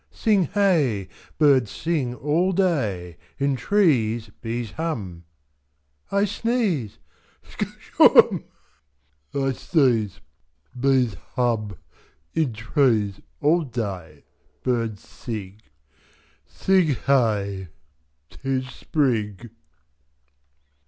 Sing hey! Birds sing All day. In trees Bees hum I sneeze Skatch Humb!! I sdeeze. Bees hub. Id trees All day Birds sig. Sig Hey! 'Tis Sprig!